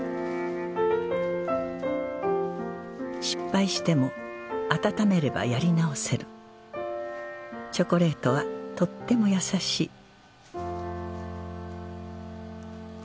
失敗しても温めればやり直せるチョコレートはとっても優しい